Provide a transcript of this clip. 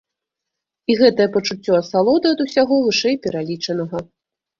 І гэтае пачуццё асалоды ад усяго вышэйпералічанага.